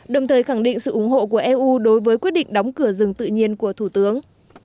đồng thời khẳng định sự ủng hộ của eu đối với quyết định đóng cửa rừng tự nhiên của thủ tướng